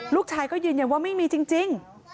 ลูกชายก็ยืนยันว่าไม่มีจริง